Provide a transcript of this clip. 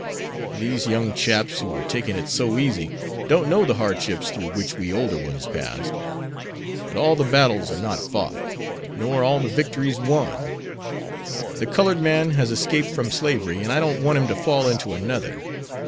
These young chaps, who are taking it so easy, don't know the hardships through which we older ones passed. But all the battles are not fought, nor all the victories won. The colored man has escaped from one slavery, and I don't want him to fall into another.